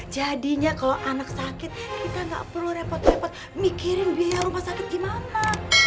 jadinya kalau anak sakit kita nggak perlu repot repot mikirin biaya rumah sakit gimana